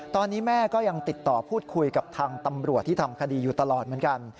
ตอนนี้แม่ก็ยังติดต่อพูดคุยกับทางตำรวจที่ทำคดีอยู่ตลอดเหมือนกัน